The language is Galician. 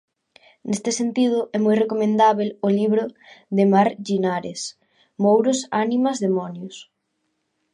Neste sentido é moi recomendábel o libro de Mar Llinares "Mouros, ánimas, demonios".